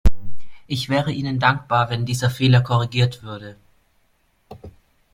Ich wäre Ihnen dankbar, wenn dieser Fehler korrigiert würde.